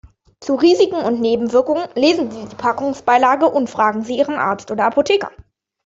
Zu Risiken und Nebenwirkungen lesen Sie die Packungsbeilage und fragen Sie Ihren Arzt oder Apotheker.